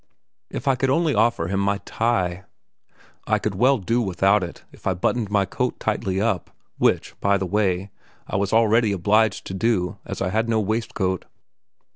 If I could only offer him my tie? I could well do without it if I buttoned my coat tightly up, which, by the way, I was already obliged to do, as I had no waistcoat.